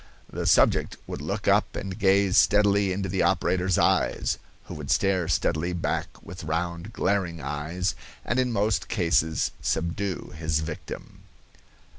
The subject would look up and gaze steadily into the operator's eyes, who would stare steadily back with round, glaring eyes, and in most cases subdue his victim.